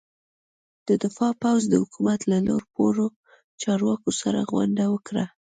د دفاع پوځ د حکومت له لوړ پوړو چارواکو سره غونډه وکړه.